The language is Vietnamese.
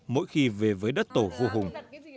mỗi khi về với đất tổ vua hùng